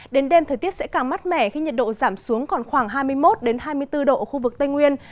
đến đêm thời tiết sẽ càng mát mẻ khi nhiệt độ giảm xuống còn khoảng hai mươi một hai mươi bốn độ ở khu vực tây nguyên